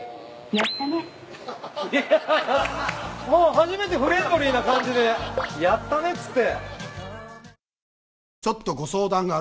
初めてフレンドリーな感じで「やったね」っつって。